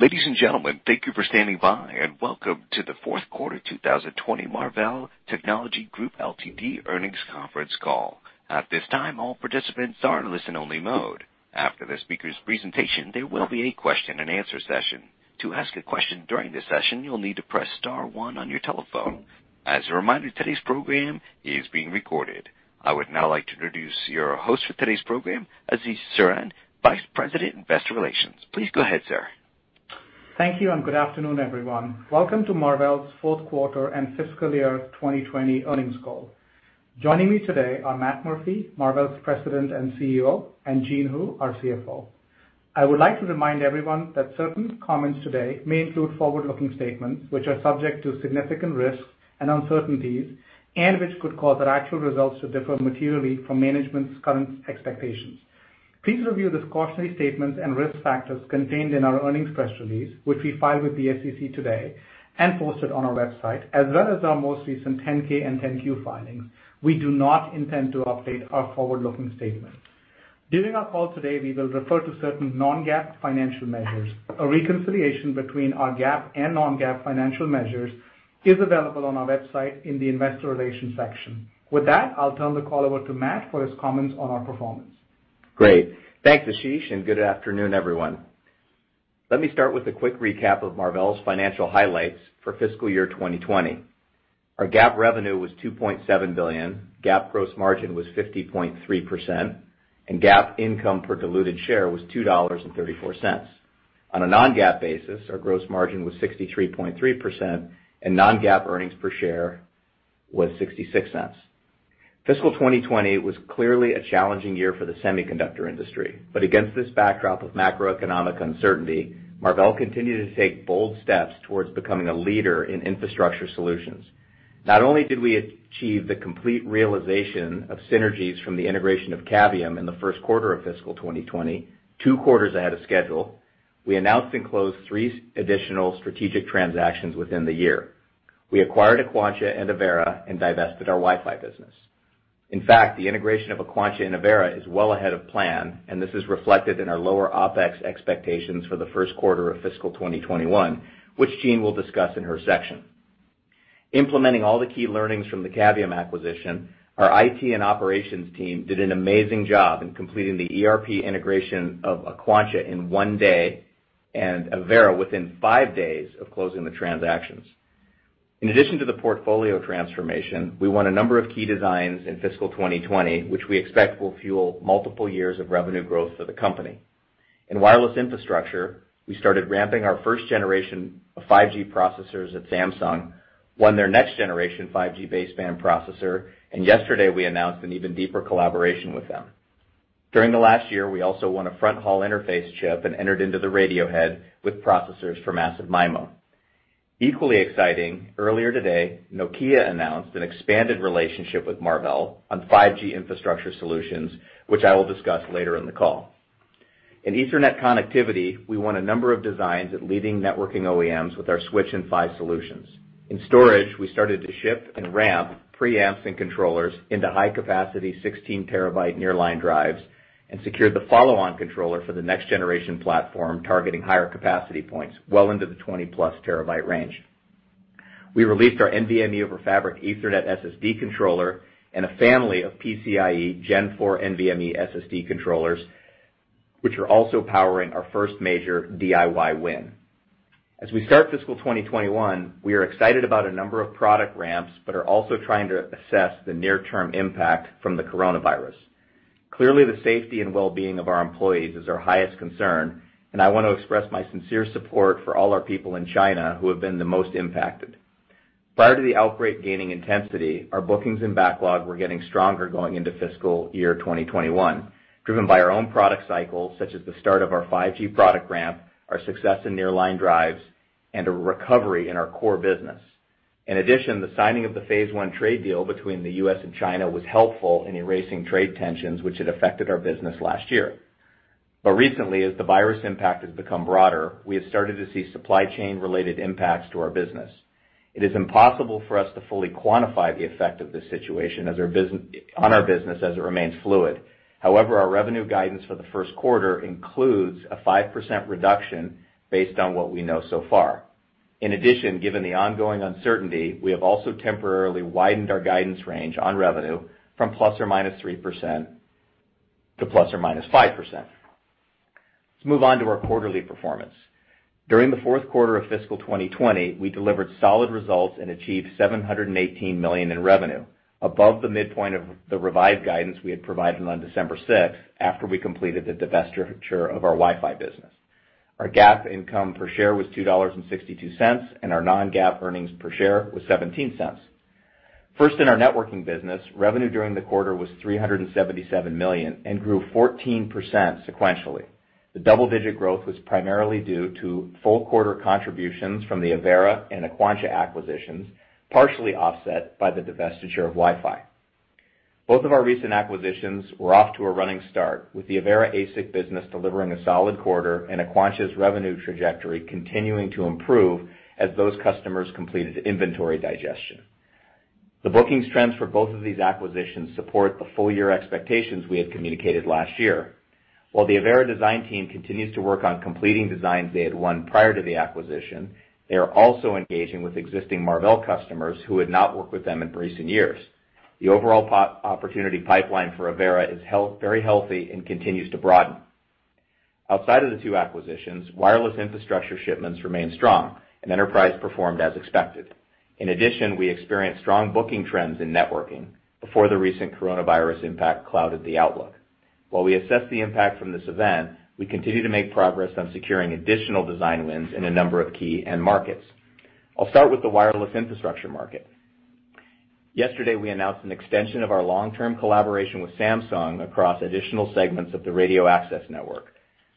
Ladies and gentlemen, thank you for standing by, and welcome to the fourth quarter 2020 Marvell Technology Group Ltd earnings conference call. At this time, all participants are in listen only mode. After the speaker's presentation, there will be a question-and-answer session. To ask a question during the session, you'll need to press star one on your telephone. As a reminder, today's program is being recorded. I would now like to introduce your host for today's program, Ashish Saran, Vice President Investor Relations. Please go ahead, sir. Thank you. Good afternoon, everyone. Welcome to Marvell's fourth quarter and fiscal year 2020 earnings call. Joining me today are Matt Murphy, Marvell's President and CEO, and Jean Hu, our CFO. I would like to remind everyone that certain comments today may include forward-looking statements, which are subject to significant risks and uncertainties, and which could cause our actual results to differ materially from management's current expectations. Please review the cautionary statements and risk factors contained in our earnings press release, which we filed with the SEC today and posted on our website, as well as our most recent 10-K and 10-Q filings. We do not intend to update our forward-looking statement. During our call today, we will refer to certain non-GAAP financial measures. A reconciliation between our GAAP and non-GAAP financial measures is available on our website in the investor relations section. With that, I'll turn the call over to Matt for his comments on our performance. Great. Thanks, Ashish. Good afternoon, everyone. Let me start with a quick recap of Marvell's financial highlights for fiscal year 2020. Our GAAP revenue was $2.7 billion, GAAP gross margin was 50.3%, and GAAP income per diluted share was $2.34. On a non-GAAP basis, our gross margin was 63.3%, and non-GAAP earnings per share was $0.66. Fiscal 2020 was clearly a challenging year for the semiconductor industry. Against this backdrop of macroeconomic uncertainty, Marvell continued to take bold steps towards becoming a leader in infrastructure solutions. Not only did we achieve the complete realization of synergies from the integration of Cavium in the first quarter of fiscal 2020, two quarters ahead of schedule, we announced and closed three additional strategic transactions within the year. We acquired Aquantia and Avera and divested our Wi-Fi business. In fact, the integration of Aquantia and Avera is well ahead of plan, and this is reflected in our lower OpEx expectations for the first quarter of fiscal 2021, which Jean will discuss in her section. Implementing all the key learnings from the Cavium acquisition, our IT and operations team did an amazing job in completing the ERP integration of Aquantia in one day, and Avera within five days of closing the transactions. In addition to the portfolio transformation, we won a number of key designs in fiscal 2020, which we expect will fuel multiple years of revenue growth for the company. In wireless infrastructure, we started ramping our first generation of 5G processors at Samsung, won their next generation 5G baseband processor, and yesterday we announced an even deeper collaboration with them. During the last year, we also won a fronthaul interface chip and entered into the radio head with processors for massive MIMO. Equally exciting, earlier today, Nokia announced an expanded relationship with Marvell on 5G infrastructure solutions, which I will discuss later in the call. In Ethernet connectivity, we won a number of designs at leading networking OEMs with our switch and PHY solutions. In storage, we started to ship and ramp preamps and controllers into high capacity 16 terabyte nearline drives and secured the follow-on controller for the next generation platform targeting higher capacity points well into the 20+ terabyte range. We released our NVMe over Fabrics Ethernet SSD controller and a family of PCIe Gen4 NVMe SSD controllers, which are also powering our first major DIY win. As we start fiscal 2021, we are excited about a number of product ramps, but are also trying to assess the near term impact from the coronavirus. Clearly, the safety and wellbeing of our employees is our highest concern, and I want to express my sincere support for all our people in China who have been the most impacted. Prior to the outbreak gaining intensity, our bookings and backlog were getting stronger going into fiscal year 2021, driven by our own product cycles, such as the start of our 5G product ramp, our success in nearline drives, and a recovery in our core business. In addition, the signing of the phase one trade deal between the U.S. and China was helpful in erasing trade tensions which had affected our business last year. Recently, as the virus impact has become broader, we have started to see supply chain related impacts to our business. It is impossible for us to fully quantify the effect of this situation on our business as it remains fluid. Our revenue guidance for the first quarter includes a 5% reduction based on what we know so far. Given the ongoing uncertainty, we have also temporarily widened our guidance range on revenue from ±3% to ±5%. Let's move on to our quarterly performance. During the fourth quarter of fiscal 2020, we delivered solid results and achieved $718 million in revenue above the midpoint of the revised guidance we had provided on December 6th after we completed the divestiture of our Wi-Fi business. Our GAAP income per share was $2.62, and our non-GAAP earnings per share was $0.17. First in our networking business, revenue during the quarter was $377 million and grew 14% sequentially. The double-digit growth was primarily due to full-quarter contributions from the Avera and Aquantia acquisitions, partially offset by the divestiture of Wi-Fi. Both of our recent acquisitions were off to a running start with the Avera ASIC business delivering a solid quarter and Aquantia's revenue trajectory continuing to improve as those customers completed inventory digestion. The bookings trends for both of these acquisitions support the full-year expectations we had communicated last year. While the Avera design team continues to work on completing designs they had won prior to the acquisition, they are also engaging with existing Marvell customers who had not worked with them in recent years. The overall opportunity pipeline for Avera is very healthy and continues to broaden. Outside of the two acquisitions, wireless infrastructure shipments remain strong, and enterprise performed as expected. In addition, we experienced strong booking trends in networking before the recent coronavirus impact clouded the outlook. While we assess the impact from this event, we continue to make progress on securing additional design wins in a number of key end markets. I'll start with the wireless infrastructure market. Yesterday, we announced an extension of our long-term collaboration with Samsung across additional segments of the radio access network.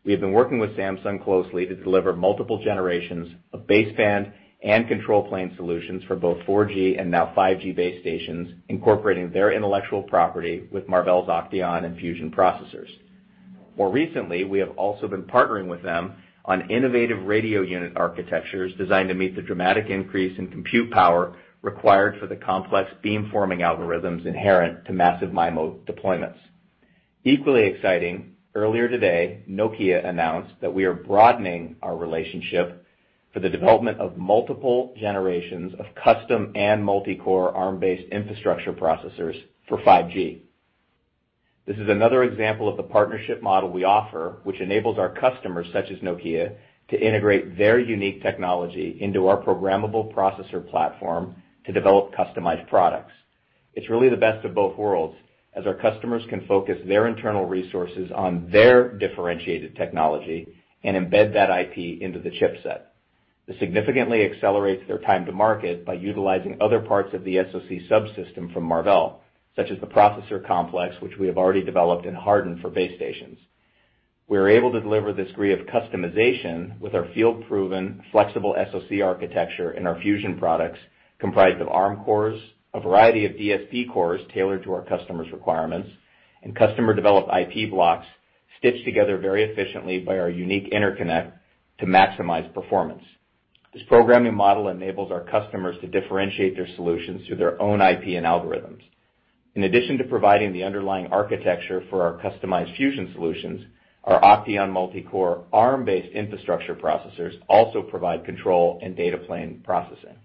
We have been working with Samsung closely to deliver multiple generations of baseband and control plane solutions for both 4G and now 5G base stations, incorporating their intellectual property with Marvell's OCTEON and Fusion processors. More recently, we have also been partnering with them on innovative radio unit architectures designed to meet the dramatic increase in compute power required for the complex beamforming algorithms inherent to massive MIMO deployments. Equally exciting, earlier today, Nokia announced that we are broadening our relationship for the development of multiple generations of custom and multi-core Arm-based infrastructure processors for 5G. This is another example of the partnership model we offer, which enables our customers, such as Nokia, to integrate their unique technology into our programmable processor platform to develop customized products. It's really the best of both worlds, as our customers can focus their internal resources on their differentiated technology and embed that IP into the chipset. This significantly accelerates their time to market by utilizing other parts of the SoC subsystem from Marvell, such as the processor complex, which we have already developed and hardened for base stations. We are able to deliver this degree of customization with our field-proven flexible SoC architecture and our Fusion products comprised of Arm cores, a variety of DSP cores tailored to our customers' requirements, and customer-developed IP blocks stitched together very efficiently by our unique interconnect to maximize performance. This programming model enables our customers to differentiate their solutions through their own IP and algorithms. In addition to providing the underlying architecture for our customized Fusion solutions, our OCTEON multi-core Arm-based infrastructure processors also provide control and data plane processing.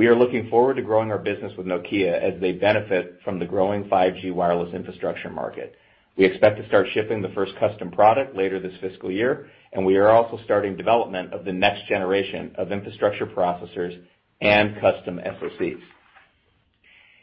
We are looking forward to growing our business with Nokia as they benefit from the growing 5G wireless infrastructure market. We expect to start shipping the first custom product later this fiscal year, and we are also starting development of the next generation of infrastructure processors and custom SoCs.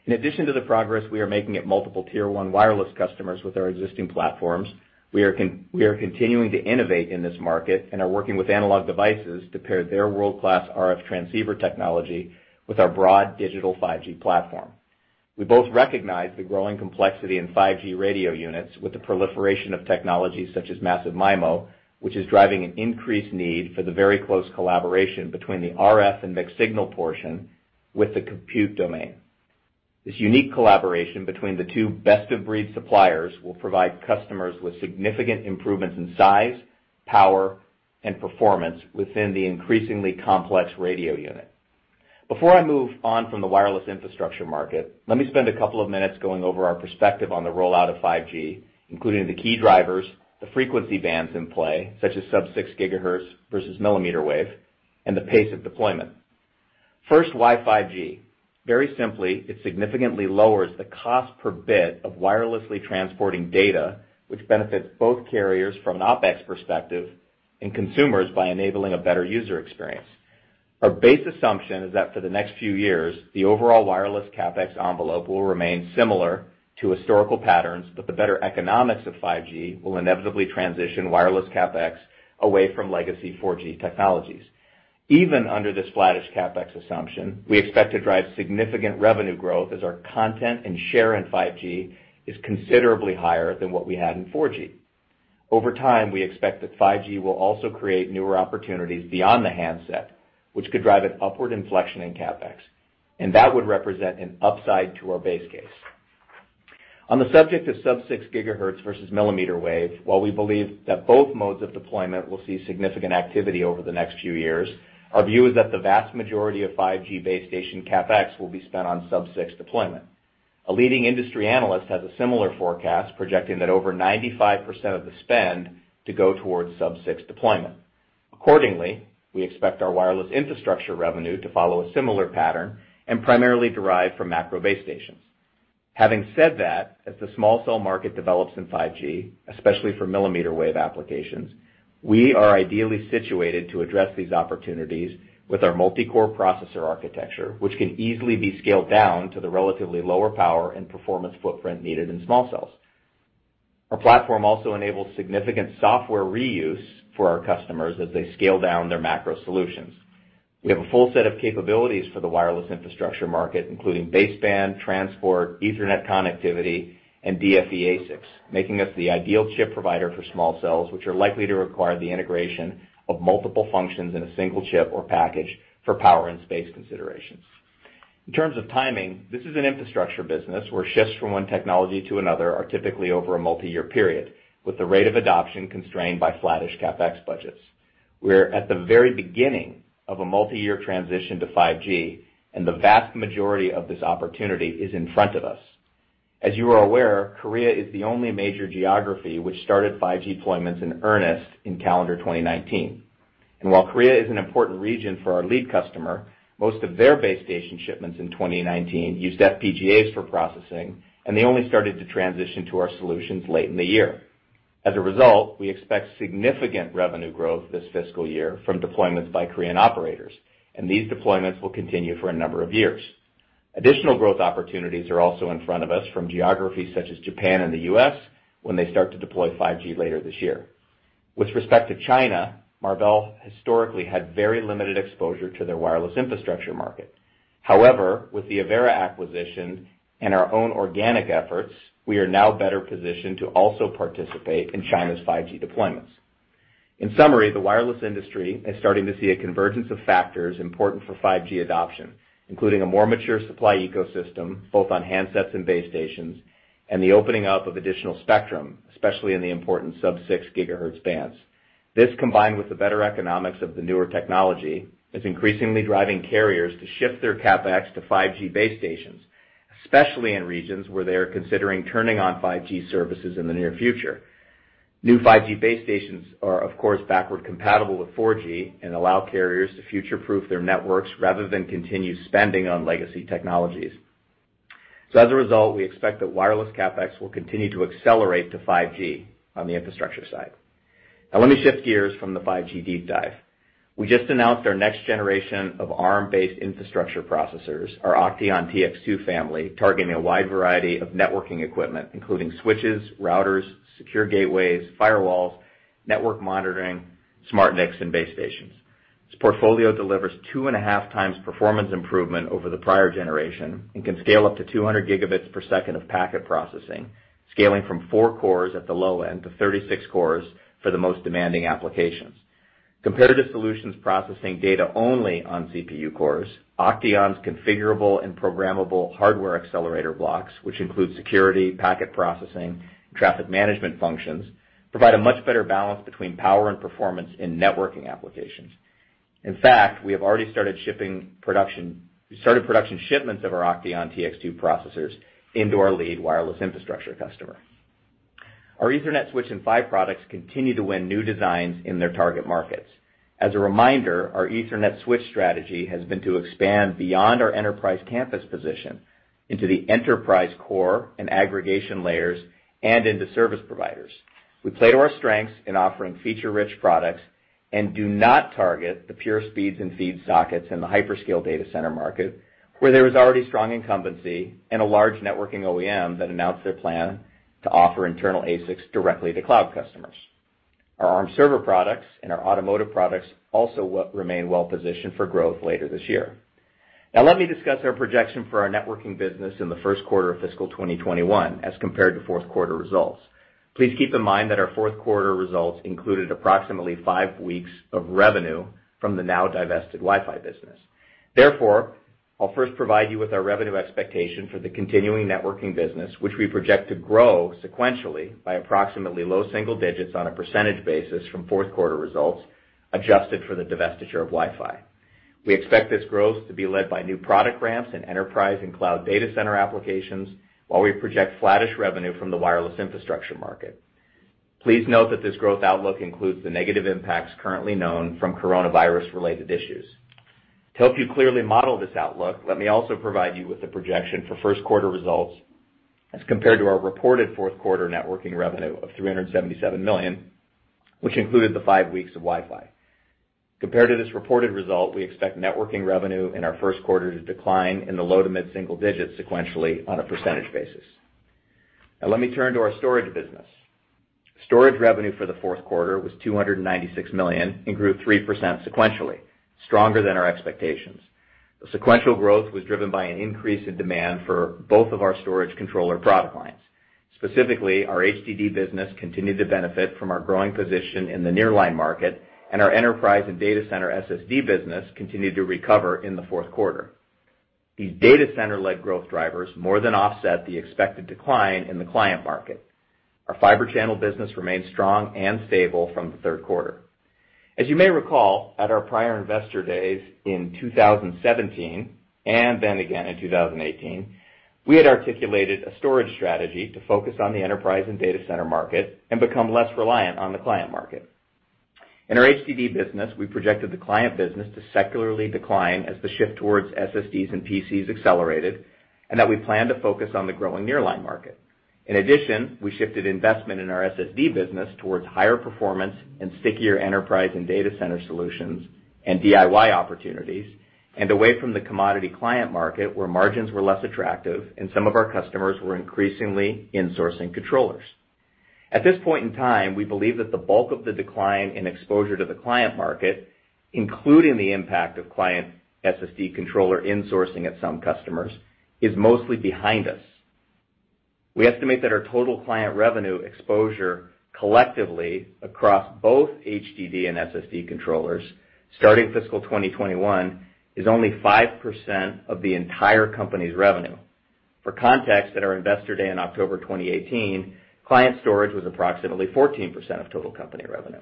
In addition to the progress we are making at multiple tier one wireless customers with our existing platforms, we are continuing to innovate in this market and are working with Analog Devices to pair their world-class RF transceiver technology with our broad digital 5G platform. We both recognize the growing complexity in 5G radio units with the proliferation of technologies such as massive MIMO, which is driving an increased need for the very close collaboration between the RF and mixed signal portion with the compute domain. This unique collaboration between the two best-of-breed suppliers will provide customers with significant improvements in size, power, and performance within the increasingly complex radio unit. Before I move on from the wireless infrastructure market, let me spend a couple of minutes going over our perspective on the rollout of 5G, including the key drivers, the frequency bands in play, such as sub-6 GHz versus millimeter wave, and the pace of deployment. First, why 5G? Very simply, it significantly lowers the cost per bit of wirelessly transporting data, which benefits both carriers from an OpEx perspective and consumers by enabling a better user experience. Our base assumption is that for the next few years, the overall wireless CapEx envelope will remain similar to historical patterns, but the better economics of 5G will inevitably transition wireless CapEx away from legacy 4G technologies. Even under this flattish CapEx assumption, we expect to drive significant revenue growth as our content and share in 5G is considerably higher than what we had in 4G. Over time, we expect that 5G will also create newer opportunities beyond the handset, which could drive an upward inflection in CapEx, and that would represent an upside to our base case. On the subject of sub-6 GHz versus millimeter wave, while we believe that both modes of deployment will see significant activity over the next few years, our view is that the vast majority of 5G base station CapEx will be spent on sub-6 deployment. A leading industry analyst has a similar forecast, projecting that over 95% of the spend to go towards sub-6 deployment. Accordingly, we expect our wireless infrastructure revenue to follow a similar pattern and primarily derive from macro base stations. Having said that, as the small cell market develops in 5G, especially for millimeter wave applications, we are ideally situated to address these opportunities with our multi-core processor architecture, which can easily be scaled down to the relatively lower power and performance footprint needed in small cells. Our platform also enables significant software reuse for our customers as they scale down their macro solutions. We have a full set of capabilities for the wireless infrastructure market, including baseband, transport, Ethernet connectivity, and DFE ASICs, making us the ideal chip provider for small cells, which are likely to require the integration of multiple functions in a single chip or package for power and space considerations. In terms of timing, this is an infrastructure business where shifts from one technology to another are typically over a multi-year period, with the rate of adoption constrained by flattish CapEx budgets. We're at the very beginning of a multi-year transition to 5G, and the vast majority of this opportunity is in front of us. As you are aware, Korea is the only major geography which started 5G deployments in earnest in calendar 2019. While Korea is an important region for our lead customer, most of their base station shipments in 2019 used FPGAs for processing, and they only started to transition to our solutions late in the year. As a result, we expect significant revenue growth this fiscal year from deployments by Korean operators, and these deployments will continue for a number of years. Additional growth opportunities are also in front of us from geographies such as Japan and the U.S. when they start to deploy 5G later this year. With respect to China, Marvell historically had very limited exposure to their wireless infrastructure market. With the Avera acquisition and our own organic efforts, we are now better positioned to also participate in China's 5G deployments. In summary, the wireless industry is starting to see a convergence of factors important for 5G adoption, including a more mature supply ecosystem, both on handsets and base stations, and the opening up of additional spectrum, especially in the important sub-6 GHz bands. This, combined with the better economics of the newer technology, is increasingly driving carriers to shift their CapEx to 5G base stations, especially in regions where they are considering turning on 5G services in the near future. New 5G base stations are, of course, backward compatible with 4G and allow carriers to future-proof their networks rather than continue spending on legacy technologies. As a result, we expect that wireless CapEx will continue to accelerate to 5G on the infrastructure side. Let me shift gears from the 5G deep dive. We just announced our next generation of Arm-based infrastructure processors, our OCTEON TX2 family, targeting a wide variety of networking equipment, including switches, routers, secure gateways, firewalls, network monitoring, SmartNICs, and base stations. This portfolio delivers 2.5x Performance improvement over the prior generation and can scale up to 200 Gb per second of packet processing, scaling from four cores at the low end to 36 cores for the most demanding applications. Compared to solutions processing data only on CPU cores, OCTEON's configurable and programmable hardware accelerator blocks, which include security, packet processing, traffic management functions, provide a much better balance between power and performance in networking applications. In fact, we have already started production shipments of our OCTEON TX2 processors into our lead wireless infrastructure customer. Our Ethernet switch and PHY products continue to win new designs in their target markets. As a reminder, our Ethernet switch strategy has been to expand beyond our enterprise campus position into the enterprise core and aggregation layers and into service providers. We play to our strengths in offering feature-rich products and do not target the pure speeds and feed sockets in the hyperscale data center market, where there is already strong incumbency and a large networking OEM that announced their plan to offer internal ASICs directly to cloud customers. Our Arm server products and our automotive products also remain well positioned for growth later this year. Let me discuss our projection for our networking business in the first quarter of fiscal 2021 as compared to fourth quarter results. Please keep in mind that our fourth quarter results included approximately five weeks of revenue from the now divested Wi-Fi business. I'll first provide you with our revenue expectation for the continuing networking business, which we project to grow sequentially by approximately low single digits on a percentage basis from fourth quarter results, adjusted for the divestiture of Wi-Fi. We expect this growth to be led by new product ramps in enterprise and cloud data center applications, while we project flattish revenue from the wireless infrastructure market. Please note that this growth outlook includes the negative impacts currently known from coronavirus-related issues. To help you clearly model this outlook, let me also provide you with the projection for first quarter results as compared to our reported fourth quarter networking revenue of $377 million, which included the five weeks of Wi-Fi. Compared to this reported result, we expect networking revenue in our first quarter to decline in the low to mid single digits sequentially on a percentage basis. Let me turn to our storage business. Storage revenue for the fourth quarter was $296 million and grew 3% sequentially, stronger than our expectations. The sequential growth was driven by an increase in demand for both of our storage controller product lines. Specifically, our HDD business continued to benefit from our growing position in the nearline market, and our enterprise and data center SSD business continued to recover in the fourth quarter. These data center-led growth drivers more than offset the expected decline in the client market. Our Fibre Channel business remained strong and stable from the third quarter. As you may recall, at our prior investor days in 2017 and then again in 2018, we had articulated a storage strategy to focus on the enterprise and data center market and become less reliant on the client market. In our HDD business, we projected the client business to secularly decline as the shift towards SSDs and PCs accelerated, and that we plan to focus on the growing nearline market. In addition, we shifted investment in our SSD business towards higher performance and stickier enterprise and data center solutions and DIY opportunities, and away from the commodity client market, where margins were less attractive and some of our customers were increasingly insourcing controllers. At this point in time, we believe that the bulk of the decline in exposure to the client market, including the impact of client SSD controller insourcing at some customers, is mostly behind us. We estimate that our total client revenue exposure collectively across both HDD and SSD controllers starting fiscal 2021 is only 5% of the entire company's revenue. For context, at our Investor Day in October 2018, client storage was approximately 14% of total company revenue.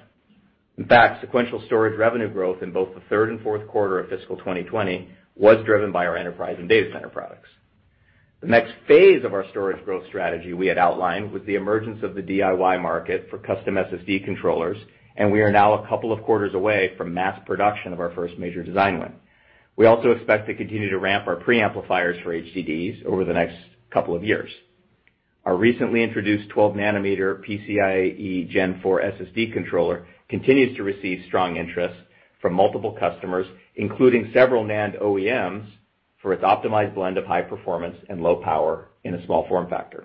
In fact, sequential storage revenue growth in both the third and fourth quarter of fiscal 2020 was driven by our enterprise and data center products. The next phase of our storage growth strategy we had outlined was the emergence of the DIY market for custom SSD controllers, and we are now a couple of quarters away from mass production of our first major design win. We also expect to continue to ramp our preamplifiers for HDDs over the next couple of years. Our recently introduced 12-nm PCIe Gen4 SSD controller continues to receive strong interest from multiple customers, including several NAND OEMs, for its optimized blend of high performance and low power in a small form factor.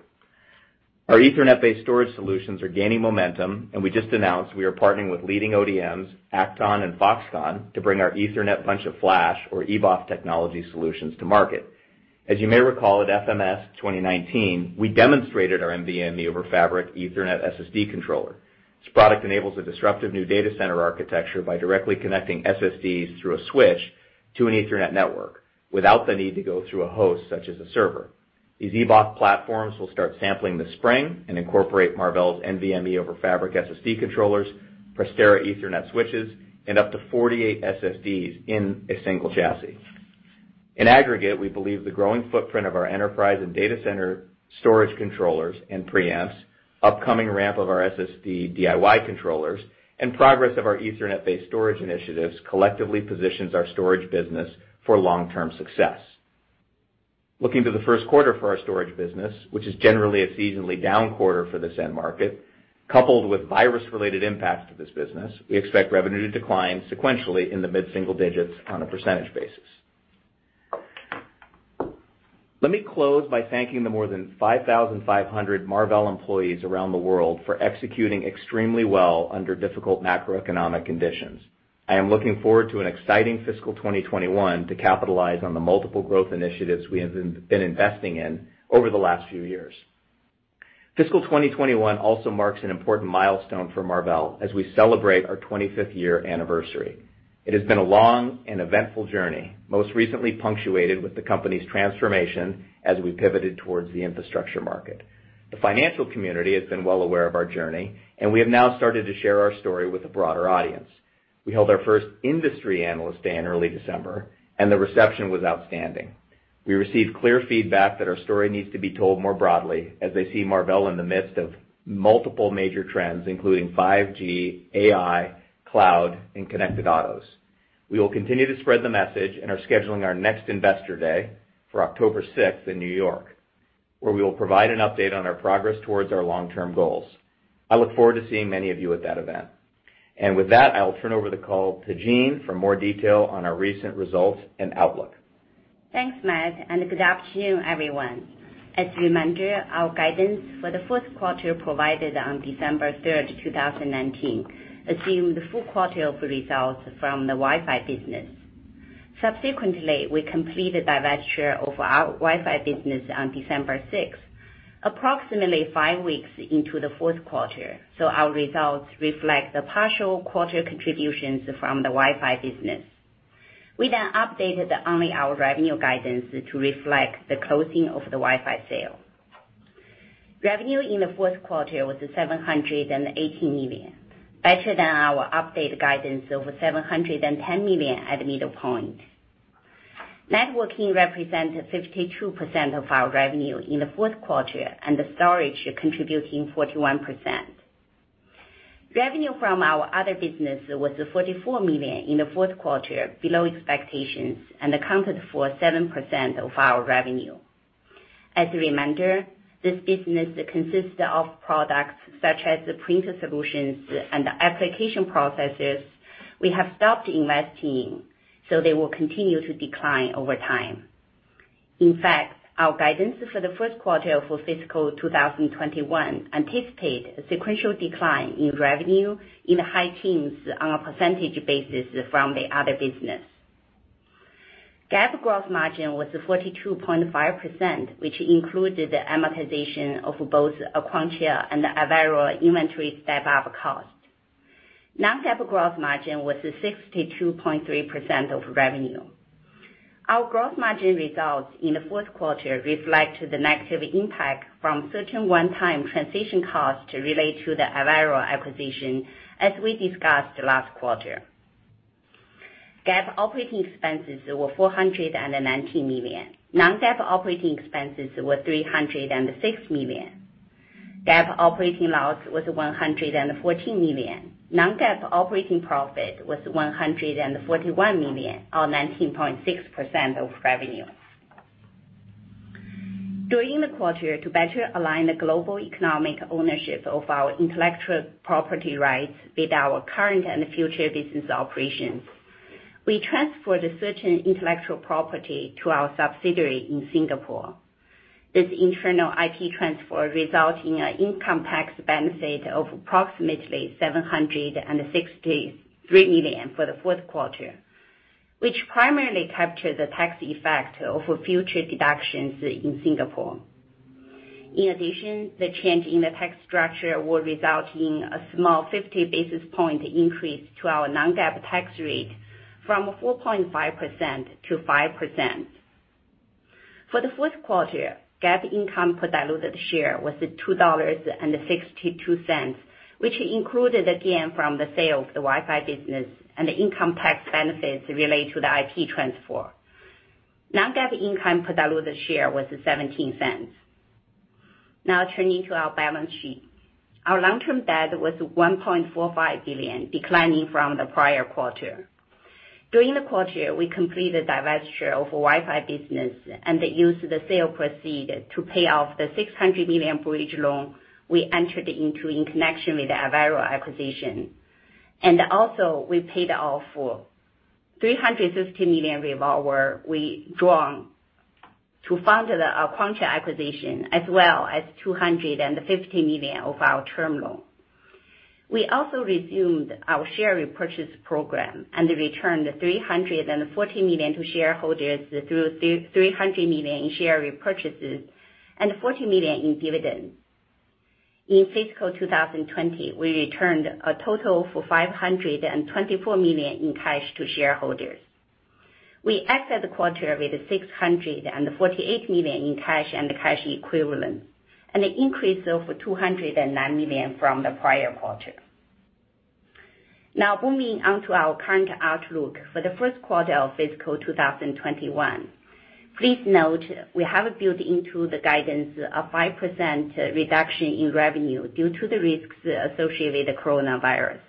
Our Ethernet-based storage solutions are gaining momentum, and we just announced we are partnering with leading ODMs, Accton and Foxconn, to bring our Ethernet Bunch of Flash or EBOF technology solutions to market. As you may recall, at FMS 2019, we demonstrated our NVMe over Fabrics Ethernet SSD controller. This product enables a disruptive new data center architecture by directly connecting SSDs through a switch to an Ethernet network without the need to go through a host, such as a server. These EBOF platforms will start sampling this spring and incorporate Marvell's NVMe over Fabrics SSD controllers, Prestera Ethernet switches, and up to 48 SSDs in a single chassis. In aggregate, we believe the growing footprint of our enterprise and data center storage controllers and preamps, upcoming ramp of our SSD DIY controllers, and progress of our Ethernet-based storage initiatives collectively positions our storage business for long-term success. Looking to the first quarter for our storage business, which is generally a seasonally down quarter for this end market, coupled with virus-related impacts to this business, we expect revenue to decline sequentially in the mid-single digits on a percentage basis. Let me close by thanking the more than 5,500 Marvell employees around the world for executing extremely well under difficult macroeconomic conditions. I am looking forward to an exciting fiscal 2021 to capitalize on the multiple growth initiatives we have been investing in over the last few years. Fiscal 2021 also marks an important milestone for Marvell as we celebrate our 25th year anniversary. It has been a long and eventful journey, most recently punctuated with the company's transformation as we pivoted towards the infrastructure market. The financial community has been well aware of our journey, and we have now started to share our story with a broader audience. We held our first industry analyst day in early December, and the reception was outstanding. We received clear feedback that our story needs to be told more broadly as they see Marvell in the midst of multiple major trends, including 5G, AI, cloud, and connected autos. We will continue to spread the message and are scheduling our next Investor Day for October 6th in New York, where we will provide an update on our progress towards our long-term goals. I look forward to seeing many of you at that event. With that, I will turn over the call to Jean for more detail on our recent results and outlook. Thanks, Matt, and good afternoon, everyone. As you remember, our guidance for the fourth quarter provided on December 3rd, 2019, assumed full quarter of results from the Wi-Fi business. Subsequently, we completed divestiture of our Wi-Fi business on December 6th, approximately few weeks into the fourth quarter. Our results reflect the partial quarter contributions from the Wi-Fi business. We updated only our revenue guidance to reflect the closing of the Wi-Fi sale. Revenue in the fourth quarter was $718 million, better than our updated guidance of over $710 million at the midpoint. Networking represented 52% of our revenue in the fourth quarter and Storage contributing 41%. Revenue from our other business was $44 million in the fourth quarter, below expectations and accounted for 7% of our revenue. As a reminder, this business consists of products such as the printer solutions and application processes we have stopped investing, so they will continue to decline over time. In fact, our guidance for the first quarter for fiscal 2021 anticipate a sequential decline in revenue in the high teens on a percentage basis from the other business. GAAP growth margin was 42.5%, which included the amortization of both Aquantia and Avera inventory step-up cost. Non-GAAP growth margin was 62.3% of revenue. Our growth margin results in the fourth quarter reflect the negative impact from certain one-time transition costs related to the Avera acquisition, as we discussed last quarter. GAAP operating expenses were $419 million. Non-GAAP operating expenses were $306 million. GAAP operating loss was $114 million. Non-GAAP operating profit was $141 million, or 19.6% of revenue. During the quarter, to better align the global economic ownership of our intellectual property rights with our current and future business operations, we transferred certain intellectual property to our subsidiary in Singapore. This internal IP transfer result in an income tax benefit of approximately $763 million for the fourth quarter, which primarily captured the tax effect of future deductions in Singapore. In addition, the change in the tax structure will result in a small 50 basis point increase to our non-GAAP tax rate from 4.5% to 5%. For the fourth quarter, GAAP income per diluted share was $2.62, which included a gain from the sale of the Wi-Fi business and the income tax benefits related to the IP transfer. Non-GAAP income per diluted share was $0.17. Now turning to our balance sheet. Our long-term debt was $1.45 billion, declining from the prior quarter. During the quarter, we completed divestiture of Wi-Fi business and used the sale proceed to pay off the $600 million bridge loan we entered into in connection with the Avera acquisition. Also, we paid off $360 million revolver we drawn to fund our Aquantia acquisition as well as $250 million of our term loan. We also resumed our share repurchase program and returned $340 million to shareholders through $300 million in share repurchases and $40 million in dividends. In fiscal 2020, we returned a total of $524 million in cash to shareholders. We exit the quarter with $648 million in cash and cash equivalent, an increase of $209 million from the prior quarter. Moving on to our current outlook for the first quarter of fiscal 2021. Please note we have built into the guidance a 5% reduction in revenue due to the risks associated with the coronavirus.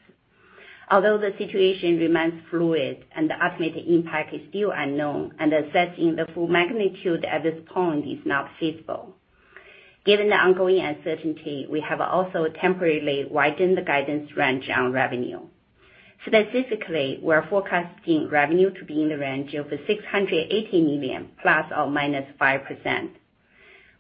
Although the situation remains fluid and the ultimate impact is still unknown and assessing the full magnitude at this point is not feasible. Given the ongoing uncertainty, we have also temporarily widened the guidance range on revenue. Specifically, we're forecasting revenue to be in the range of $680 million ±5%.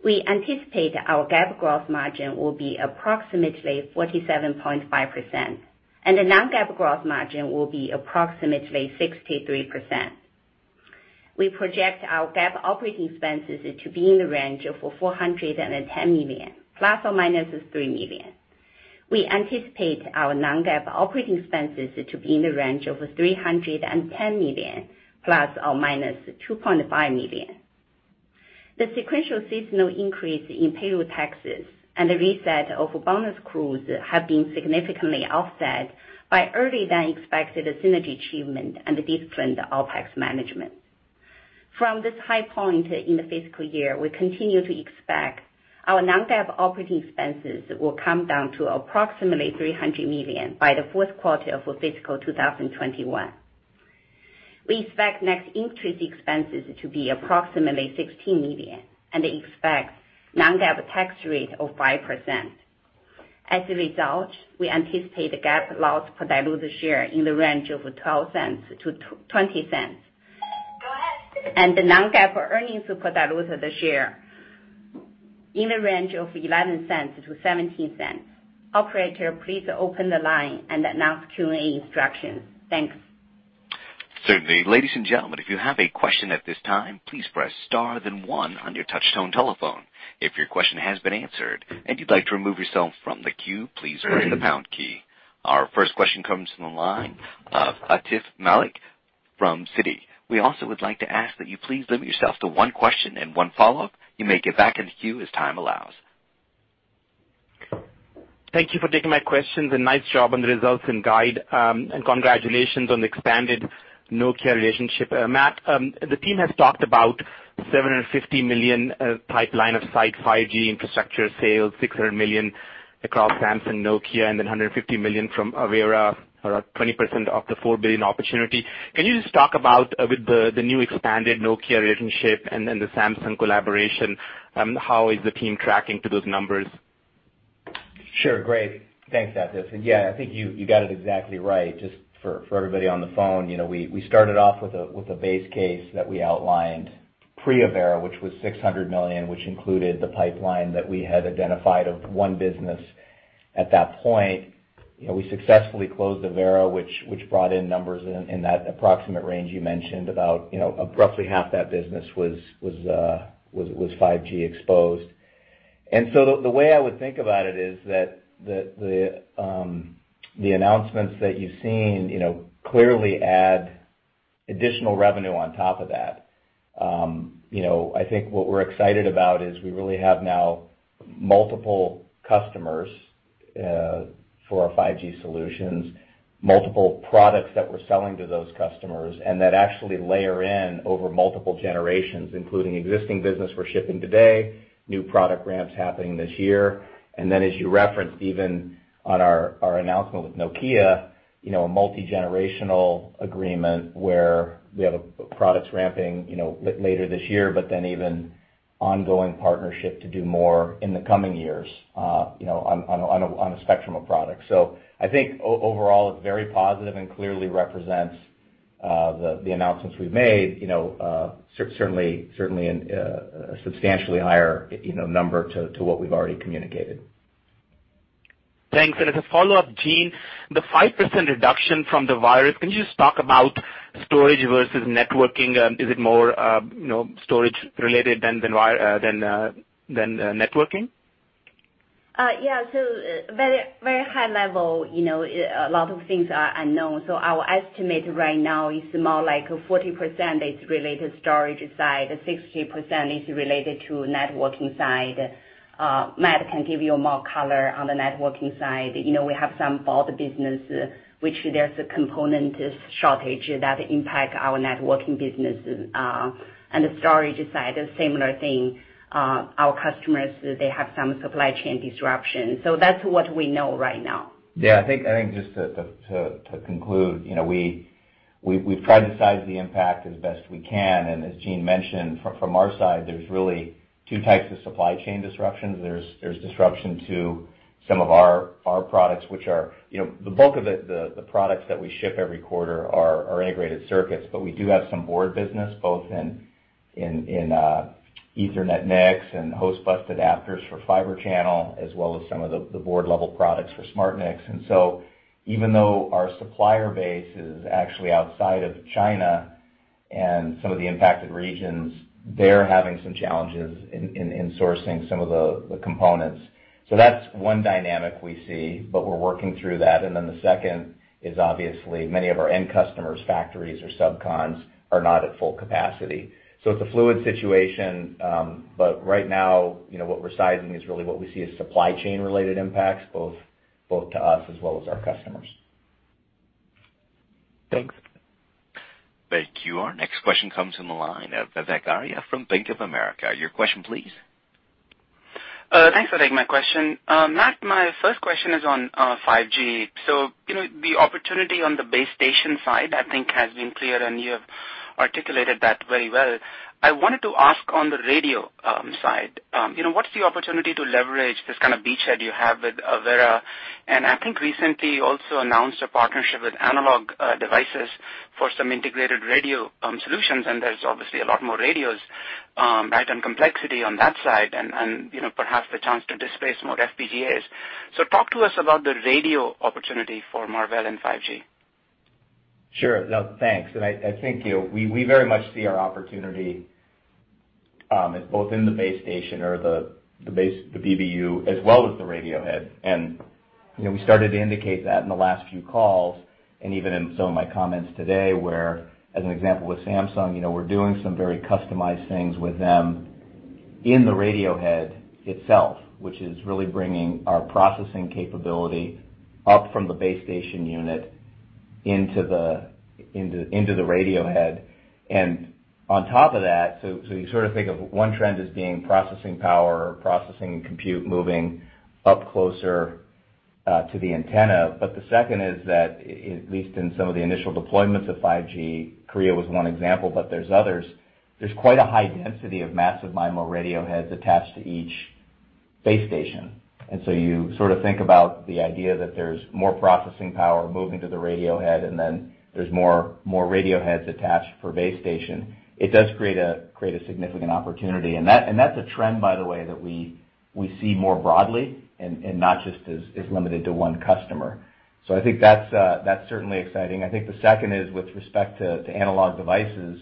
We anticipate our GAAP gross margin will be approximately 47.5%, and the non-GAAP gross margin will be approximately 63%. We project our GAAP operating expenses to be in the range of $410 million ±$3 million. We anticipate our non-GAAP operating expenses to be in the range of $310 million ±$2.5 million. The sequential seasonal increase in payroll taxes and the reset of bonus accruals have been significantly offset by earlier than expected synergy achievement and disciplined OpEx management. From this high point in the fiscal year, we continue to expect our non-GAAP operating expenses will come down to approximately $300 million by the fourth quarter of fiscal 2021. We expect net interest expenses to be approximately $16 million and expect non-GAAP tax rate of 5%. As a result, we anticipate GAAP loss per diluted share in the range of $0.12-$0.20. The non-GAAP earnings per diluted share in the range of $0.11-$0.17. Operator, please open the line and announce Q&A instructions. Thanks. Certainly. Ladies and gentlemen, if you have a question at this time, please press star then one on your touchtone telephone. If your question has been answered and you'd like to remove yourself from the queue, please press the pound key. Our first question comes from the line of Atif Malik from Citi. We also would like to ask that you please limit yourself to one question and one follow-up. You may get back in the queue as time allows. Thank you for taking my questions, nice job on the results and guide. Congratulations on the expanded Nokia relationship. Matt, the team has talked about $750 million pipeline of site 5G infrastructure sales, $600 million across Samsung, Nokia, $150 million from Avera, or 20% of the $4 billion opportunity. Can you just talk about, with the new expanded Nokia relationship and the Samsung collaboration, how is the team tracking to those numbers? Sure. Great. Thanks, Atif. Yeah, I think you got it exactly right. Just for everybody on the phone, we started off with a base case that we outlined pre-Avera, which was $600 million, which included the pipeline that we had identified of one business at that point. We successfully closed Avera, which brought in numbers in that approximate range you mentioned. About roughly half that business was 5G exposed. The way I would think about it is that the announcements that you've seen clearly add additional revenue on top of that. I think what we're excited about is we really have now multiple customers for our 5G solutions, multiple products that we're selling to those customers, and that actually layer in over multiple generations, including existing business we're shipping today, new product ramps happening this year, and then as you referenced, even on our announcement with Nokia, a multi-generational agreement where we have products ramping later this year, but then even ongoing partnership to do more in the coming years on a spectrum of products. I think overall it's very positive and clearly represents the announcements we've made, certainly a substantially higher number to what we've already communicated. Thanks. As a follow-up, Jean, the 5% reduction from the virus, can you just talk about storage versus networking? Is it more storage related than networking? Yeah. Very high level, a lot of things are unknown. Our estimate right now is more like 40% is related storage side, 60% is related to networking side. Matt can give you more color on the networking side. We have some board business, which there's a component shortage that impact our networking business. The storage side, a similar thing. Our customers, they have some supply chain disruption. That's what we know right now. I think just to conclude, we've tried to size the impact as best we can. As Jean mentioned, from our side, there's really two types of supply chain disruptions. There's disruption to some of our products, the bulk of it, the products that we ship every quarter are integrated circuits, but we do have some board business both in Ethernet NICs and host bus adapters for Fibre Channel, as well as some of the board-level products for SmartNICs. Even though our supplier base is actually outside of China and some of the impacted regions, they're having some challenges in sourcing some of the components. That's one dynamic we see. We're working through that. The second is obviously many of our end customers, factories or subcons are not at full capacity. It's a fluid situation, but right now, what we're sizing is really what we see as supply chain related impacts, both to us as well as our customers. Thanks. Thank you. Our next question comes from the line of Vivek Arya from Bank of America. Your question, please. Thanks for taking my question. Matt, my first question is on 5G. The opportunity on the base station side, I think, has been clear, and you have articulated that very well. I wanted to ask on the radio side, what's the opportunity to leverage this kind of beachhead you have with Avera? I think recently you also announced a partnership with Analog Devices for some integrated radio solutions, and there's obviously a lot more radios, right, and complexity on that side and perhaps the chance to displace more FPGAs. Talk to us about the radio opportunity for Marvell and 5G. Sure. No, thanks. I think we very much see our opportunity, both in the base station or the BBU, as well as the radio head. We started to indicate that in the last few calls and even in some of my comments today, where, as an example with Samsung, we're doing some very customized things with them in the radio head itself, which is really bringing our processing capability up from the base station unit into the radio head. On top of that, you sort of think of one trend as being processing power or processing compute moving up closer to the antenna. The second is that, at least in some of the initial deployments of 5G, Korea was one example, but there's others. There's quite a high density of massive MIMO radio heads attached to each base station. You sort of think about the idea that there's more processing power moving to the radio head, then there's more radio heads attached per base station. It does create a significant opportunity. That's a trend, by the way, that we see more broadly and not just as limited to one customer. I think that's certainly exciting. I think the second is with respect to Analog Devices.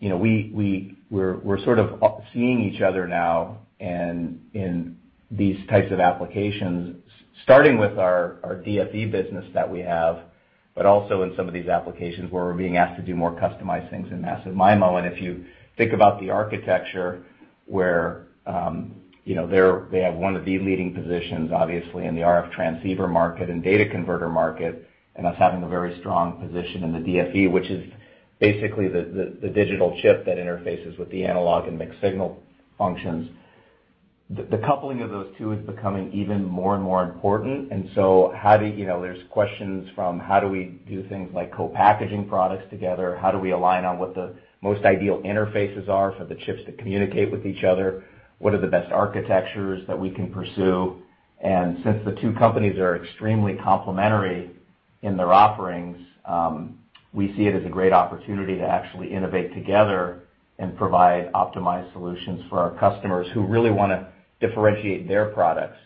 We're sort of seeing each other now and in these types of applications, starting with our DFE business that we have, but also in some of these applications where we're being asked to do more customized things in massive MIMO. If you think about the architecture where they have one of the leading positions, obviously in the RF transceiver market and data converter market, and us having a very strong position in the DFE, which is basically the digital chip that interfaces with the analog and mixed signal functions. The coupling of those two is becoming even more and more important, there's questions from how do we do things like co-packaging products together? How do we align on what the most ideal interfaces are for the chips to communicate with each other? What are the best architectures that we can pursue? Since the two companies are extremely complementary in their offerings, we see it as a great opportunity to actually innovate together and provide optimized solutions for our customers who really want to differentiate their products.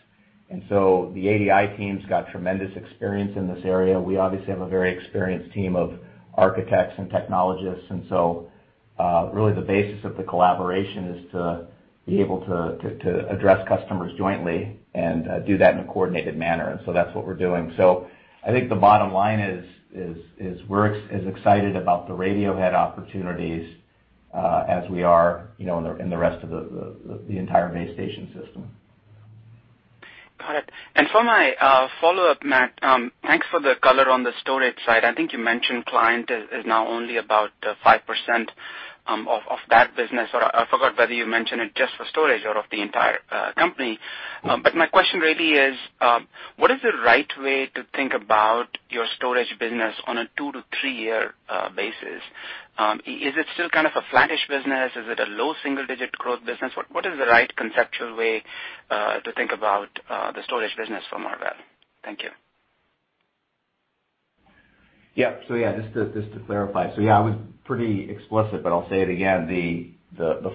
The ADI team's got tremendous experience in this area. We obviously have a very experienced team of architects and technologists. Really the basis of the collaboration is to be able to address customers jointly and do that in a coordinated manner. That's what we're doing. I think the bottom line is, we're as excited about the radio head opportunities, as we are in the rest of the entire base station system. Got it. For my follow-up, Matt, thanks for the color on the storage side. I think you mentioned client is now only about 5% of that business, or I forgot whether you mentioned it just for storage or of the entire company. My question really is, what is the right way to think about your storage business on a two to three-year basis? Is it still kind of a flattish business? Is it a low single-digit growth business? What is the right conceptual way to think about the storage business for Marvell? Thank you. Yep. Yeah, just to clarify. Yeah, I was pretty explicit, but I'll say it again. The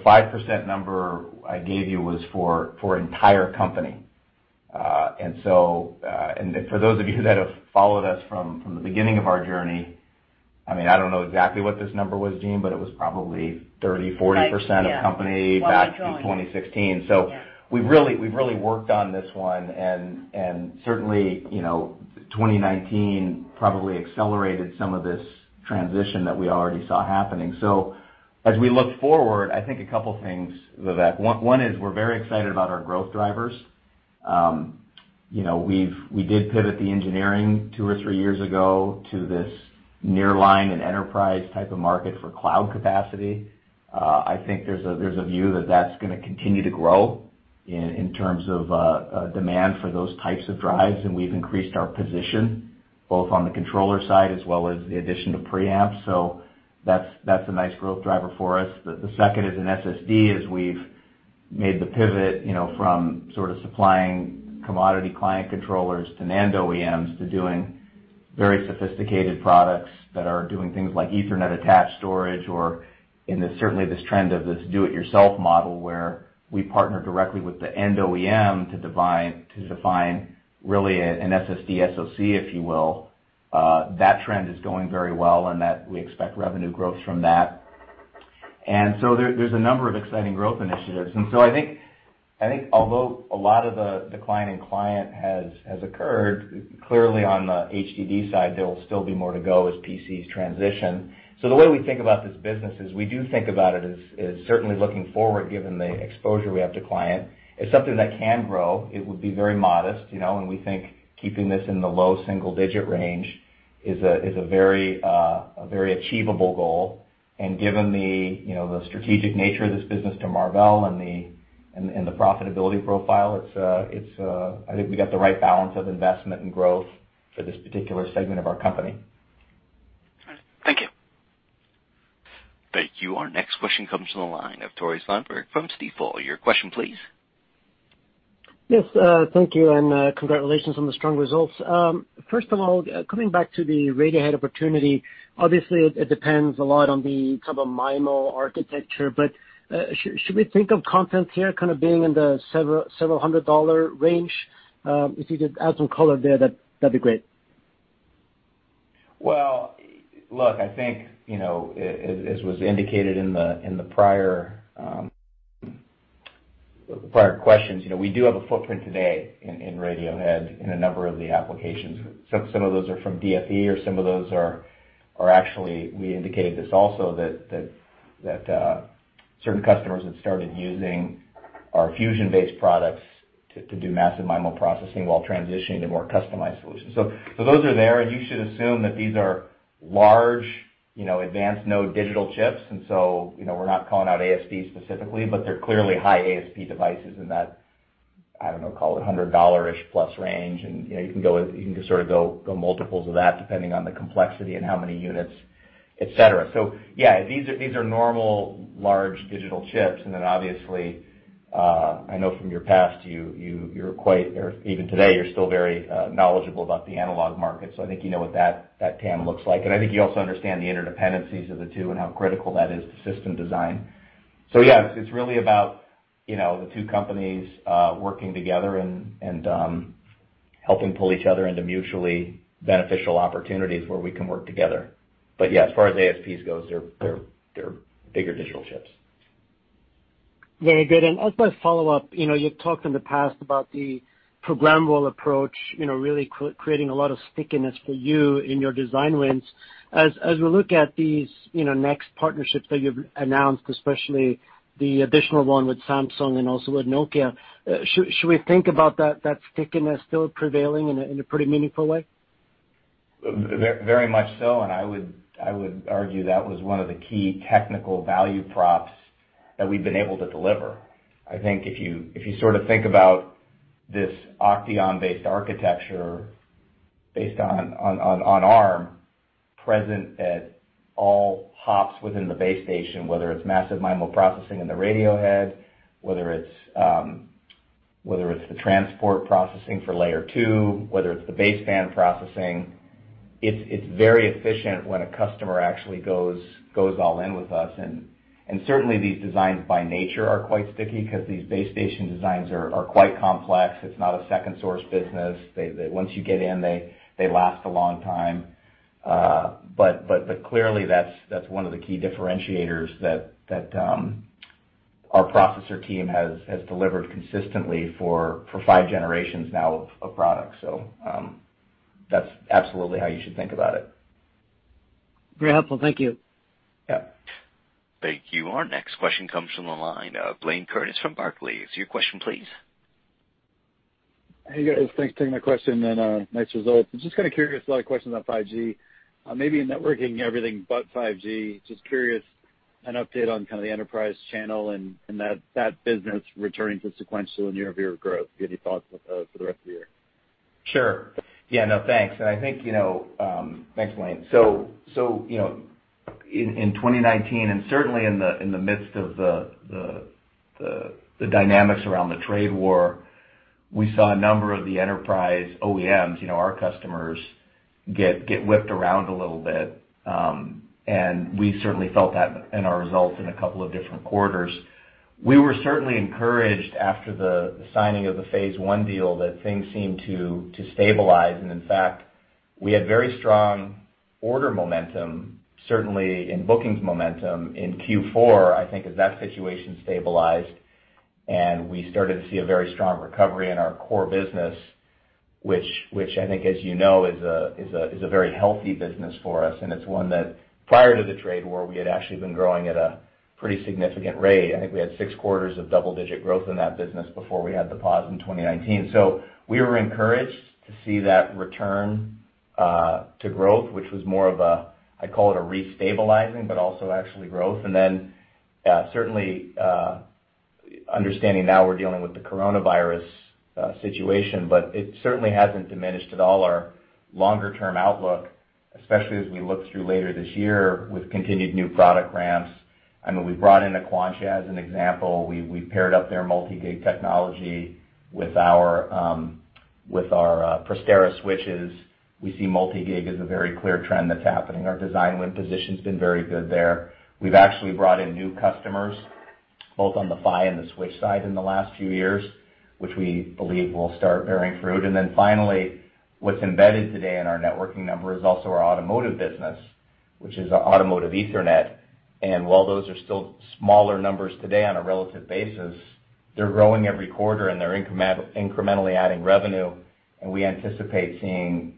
5% number I gave you was for entire company. For those of you that have followed us from the beginning of our journey, I don't know exactly what this number was, Jean, but it was probably 30%, 40% of company back in 2016. We've really worked on this one and certainly, 2019 probably accelerated some of this transition that we already saw happening. As we look forward, I think a couple things, Vivek. One is we're very excited about our growth drivers. We did pivot the engineering two or three years ago to this nearline and enterprise type of market for cloud capacity. I think there's a view that that's going to continue to grow in terms of demand for those types of drives, and we've increased our position both on the controller side as well as the addition of preamp. That's a nice growth driver for us. The second is in SSD, is we've made the pivot from sort of supplying commodity client controllers to NAND OEMs to doing very sophisticated products that are doing things like Ethernet attached storage or in this certainly this trend of this do it yourself model, where we partner directly with the end OEM to define really an SSD SoC, if you will. That trend is going very well, and we expect revenue growth from that. There's a number of exciting growth initiatives. I think although a lot of the decline in client has occurred, clearly on the HDD side, there will still be more to go as PCs transition. The way we think about this business is we do think about it as certainly looking forward, given the exposure we have to client. It's something that can grow. It would be very modest, and we think keeping this in the low single digit range is a very achievable goal. Given the strategic nature of this business to Marvell and the profitability profile, I think we got the right balance of investment and growth for this particular segment of our company. All right. Thank you. Thank you. Our next question comes from the line of Tore Svanberg from Stifel. Your question, please. Yes. Thank you. Congratulations on the strong results. First of all, coming back to the radio head opportunity, obviously it depends a lot on the type of MIMO architecture, but should we think of content here kind of being in the several hundred dollar range? If you could add some color there, that'd be great. Well, look, I think, as was indicated in the prior questions, we do have a footprint today in radio head in a number of the applications. Some of those are from DFE or some of those are actually, we indicated this also that certain customers have started using our Fusion-based products to do massive MIMO processing while transitioning to more customized solutions. Those are there, and you should assume that these are large advanced node digital chips. We're not calling out ASP specifically, but they're clearly high ASP devices and that, I don't know, call it $100-ish plus range. You can sort of go multiples of that depending on the complexity and how many units, et cetera. Yeah, these are normal large digital chips. Obviously, I know from your past, even today, you're still very knowledgeable about the analog market, so I think you know what that TAM looks like. I think you also understand the interdependencies of the two and how critical that is to system design. Yeah, it's really about the two companies working together and helping pull each other into mutually beneficial opportunities where we can work together. Yeah, as far as ASPs goes, they're bigger digital chips. Very good. As my follow-up, you've talked in the past about the programmable approach really creating a lot of stickiness for you in your design wins. As we look at these next partnerships that you've announced, especially the additional one with Samsung and also with Nokia, should we think about that stickiness still prevailing in a pretty meaningful way? Very much so, I would argue that was one of the key technical value props that we've been able to deliver. I think if you sort of think about this OCTEON-based architecture based on Arm present at all hops within the base station, whether it's massive MIMO processing in the radio head, whether it's the transport processing for layer two, whether it's the baseband processing, it's very efficient when a customer actually goes all in with us. Certainly these designs by nature are quite sticky because these base station designs are quite complex. It's not a second source business. Once you get in, they last a long time. Clearly that's one of the key differentiators that our processor team has delivered consistently for PHY generations now of products. That's absolutely how you should think about it. Very helpful. Thank you. Yeah. Thank you. Our next question comes from the line of Blayne Curtis from Barclays. Your question, please. Hey, guys, thanks for taking my question, and nice results. I'm just kind of curious, a lot of questions on 5G. Maybe in networking, everything but 5G, just curious, an update on kind of the enterprise channel and that business returning to sequential and year-over-year growth. You have any thoughts for the rest of the year? Sure, thanks. Thanks, Blayne. In 2019, certainly in the midst of the dynamics around the trade war, we saw a number of the enterprise OEMs, our customers, get whipped around a little bit. We certainly felt that in our results in a couple of different quarters. We were certainly encouraged after the signing of the phase one deal that things seemed to stabilize. In fact, we had very strong order momentum, certainly in bookings momentum in Q4, I think, as that situation stabilized, and we started to see a very strong recovery in our core business, which I think, as you know, is a very healthy business for us. It's one that prior to the trade war, we had actually been growing at a pretty significant rate. I think we had six quarters of double-digit growth in that business before we had the pause in 2019. We were encouraged to see that return to growth, which was more of a, I call it a restabilizing, but also actually growth. Certainly, understanding now we're dealing with the coronavirus situation, it certainly hasn't diminished at all our longer-term outlook, especially as we look through later this year with continued new product ramps. I mean, we brought in Aquantia as an example. We paired up their multi-gig technology with our Prestera switches. We see multi-gig as a very clear trend that's happening. Our design win position's been very good there. We've actually brought in new customers, both on the PHY and the switch side in the last few years, which we believe will start bearing fruit. Finally, what's embedded today in our networking number is also our automotive business, which is our automotive Ethernet. While those are still smaller numbers today on a relative basis, they're growing every quarter, and they're incrementally adding revenue. We anticipate seeing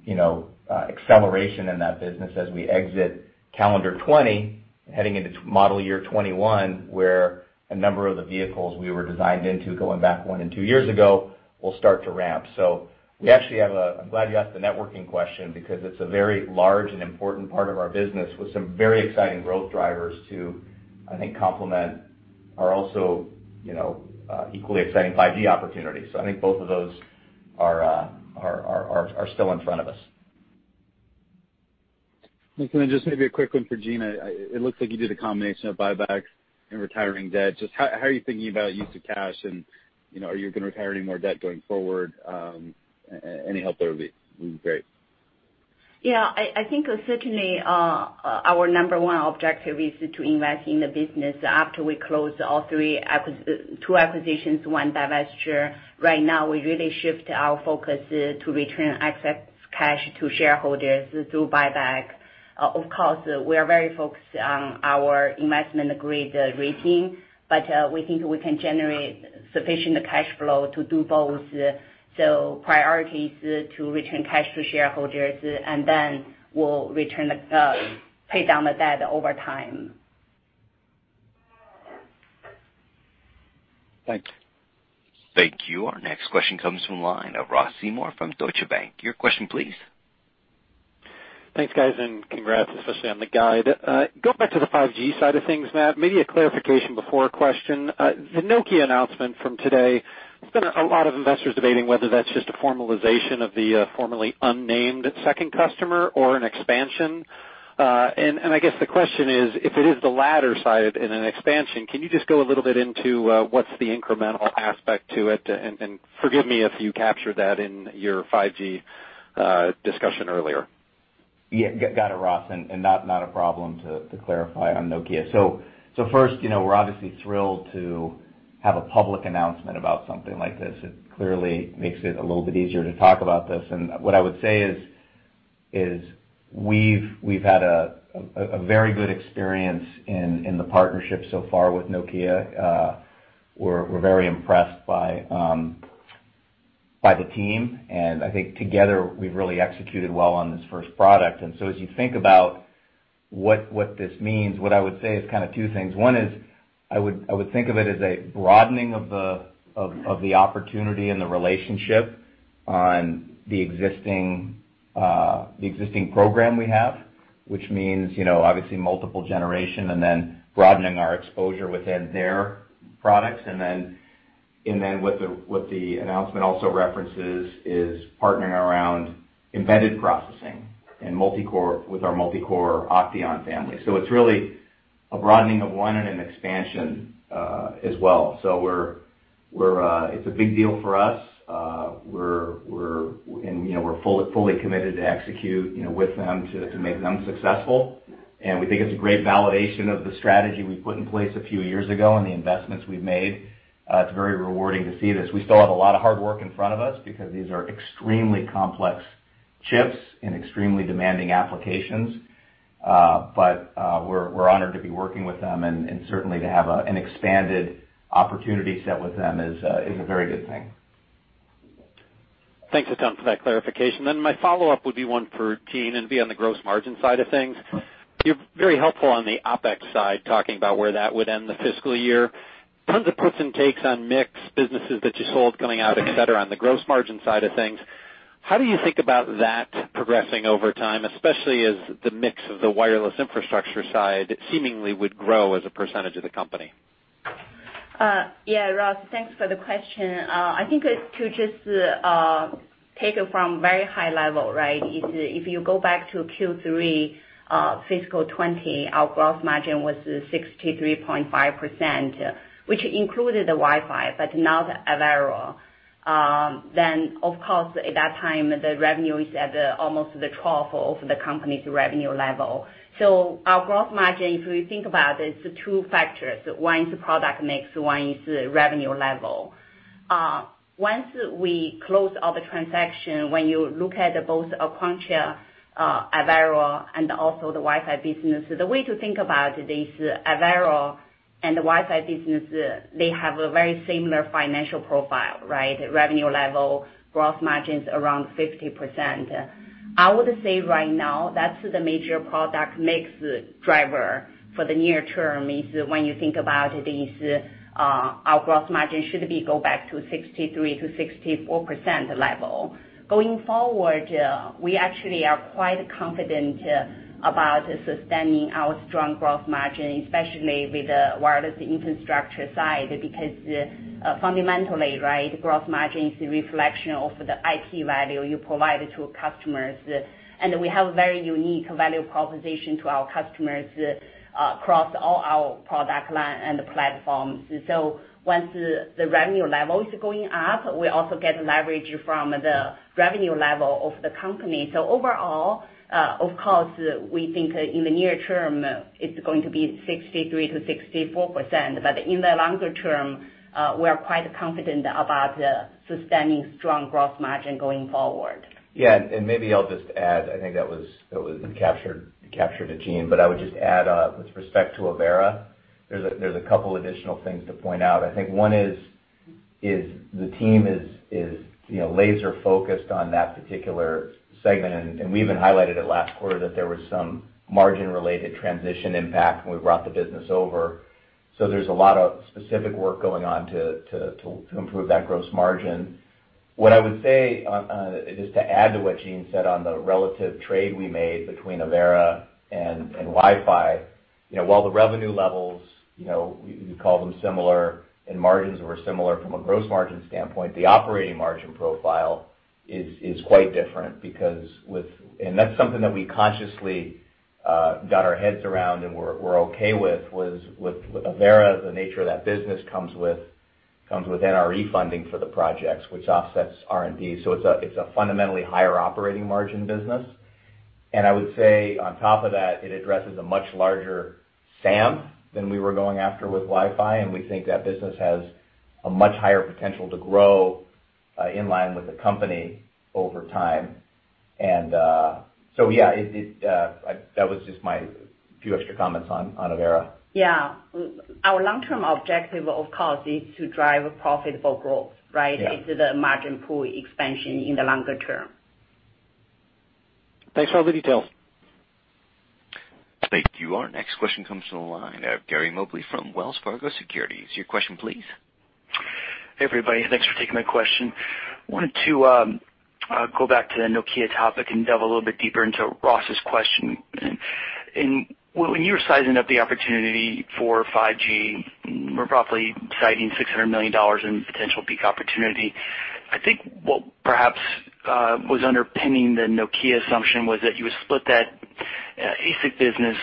acceleration in that business as we exit calendar 2020, heading into model year 2021, where a number of the vehicles we were designed into going back one and two years ago will start to ramp. We actually have I'm glad you asked the networking question because it's a very large and important part of our business with some very exciting growth drivers to, I think, complement our also equally exciting 5G opportunities. I think both of those are still in front of us. Just maybe a quick one for Jean. It looks like you did a combination of buybacks and retiring debt. Just how are you thinking about use of cash, and are you going to retire any more debt going forward? Any help there would be great. Yeah. I think certainly, our number one objective is to invest in the business after we close all two acquisitions, one divesture. Right now, we really shift our focus to return excess cash to shareholders through buyback. Of course, we are very focused on our investment-grade rating, but we think we can generate sufficient cash flow to do both. Priority is to return cash to shareholders, and then we'll pay down the debt over time. Thanks. Thank you. Our next question comes from the line of Ross Seymore from Deutsche Bank. Your question, please. Thanks, guys, congrats, especially on the guide. Going back to the 5G side of things, Matt, maybe a clarification before a question. The Nokia announcement from today, there's been a lot of investors debating whether that's just a formalization of the formerly unnamed second customer or an expansion. I guess the question is: If it is the latter side in an expansion, can you just go a little bit into what's the incremental aspect to it? Forgive me if you captured that in your 5G discussion earlier. Got it, Ross, and not a problem to clarify on Nokia. First, we're obviously thrilled to have a public announcement about something like this. It clearly makes it a little bit easier to talk about this. What I would say is we've had a very good experience in the partnership so far with Nokia. We're very impressed by the team, and I think together we've really executed well on this first product. As you think about what this means, what I would say is kind of two things. One is, I would think of it as a broadening of the opportunity and the relationship on the existing program we have, which means obviously multiple generation and then broadening our exposure within their products. What the announcement also references is partnering around embedded processing with our multicore OCTEON family. It's really a broadening of one and an expansion as well. It's a big deal for us. We're fully committed to execute with them to make them successful. We think it's a great validation of the strategy we put in place a few years ago and the investments we've made. It's very rewarding to see this. We still have a lot of hard work in front of us because these are extremely complex chips and extremely demanding applications. We're honored to be working with them and certainly to have an expanded opportunity set with them is a very good thing. Thanks a ton for that clarification. My follow-up would be one for Jean and be on the gross margin side of things. You're very helpful on the OpEx side, talking about where that would end the fiscal year. Tons of puts and takes on mix, businesses that you sold coming out, et cetera, on the gross margin side of things. How do you think about that progressing over time, especially as the mix of the wireless infrastructure side seemingly would grow as a percentage of the company? Yeah, Ross, thanks for the question. I think to take it from very high level, right? If you go back to Q3 fiscal 2020, our gross margin was 63.5%, which included the Wi-Fi but not Avera. Of course, at that time, the revenue is at almost the 12th of the company's revenue level. Our gross margin, if we think about it, is two factors. One is the product mix, one is the revenue level. Once we close all the transaction, when you look at both Aquantia, Avera, and also the Wi-Fi business, the way to think about it is Avera and the Wi-Fi business, they have a very similar financial profile, right? Revenue level, gross margins around 50%. I would say right now, that's the major product mix driver for the near term, is when you think about our gross margin, should we go back to 63%-64% level. Going forward, we actually are quite confident about sustaining our strong gross margin, especially with the wireless infrastructure side, because fundamentally, right, gross margin is a reflection of the IP value you provide to customers. We have a very unique value proposition to our customers across all our product line and platforms. Once the revenue level is going up, we also get leverage from the revenue level of the company. Overall, of course, we think in the near term, it's going to be 63%-64%, but in the longer term, we are quite confident about sustaining strong gross margin going forward. Yeah. Maybe I'll just add, I think that captured the team, but I would just add, with respect to Avera, there's a couple additional things to point out. I think one is the team is laser-focused on that particular segment, and we even highlighted it last quarter that there was some margin-related transition impact when we brought the business over. There's a lot of specific work going on to improve that gross margin. What I would say, just to add to what Jean said on the relative trade we made between Avera and Wi-Fi. While the revenue levels, you call them similar and margins were similar from a gross margin standpoint, the operating margin profile is quite different because that's something that we consciously got our heads around and we're okay with, was with Avera, the nature of that business comes with NRE funding for the projects, which offsets R&D. It's a fundamentally higher operating margin business. I would say on top of that, it addresses a much larger SAM than we were going after with Wi-Fi, and we think that business has a much higher potential to grow in line with the company over time. Yeah, that was just my few extra comments on Avera. Yeah. Our long-term objective, of course, is to drive profitable growth, right? Yeah. Is the margin pool expansion in the longer term? Thanks for all the details. Thank you. Our next question comes from the line of Gary Mobley from Wells Fargo Securities. Your question, please. Hey, everybody. Thanks for taking my question. When you were sizing up the opportunity for 5G, more roughly citing $600 million in potential peak opportunity, I think what perhaps was underpinning the Nokia assumption was that you would split that ASIC business